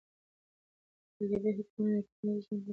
قالبي حکمونه د ټولنیز ژوند لپاره تاوان لري.